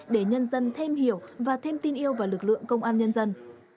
để nhân dân thêm hiểu và thêm tin yêu vào lực lượng công an nhân dân